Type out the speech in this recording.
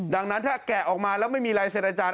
ดังนั้นถ้าแกะออกมาแล้วไม่มีลายเซ็นอาจารย